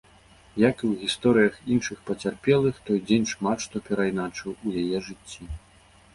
Як і ў гісторыях іншых пацярпелых, той дзень шмат што перайначыў у яе жыцці.